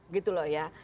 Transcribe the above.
gitu loh ya